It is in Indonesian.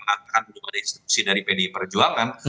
akan berada di institusi dari pdi perjuangan